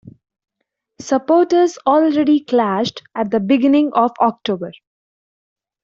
Supporters already clashed at the beginning of October.